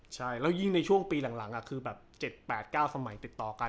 ใช่แล้วยิ่งในช่วงปีหลังคือแบบ๗๘๙สมัยติดต่อกัน